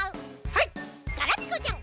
ガラピコちゃん。